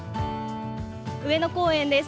上野公園です。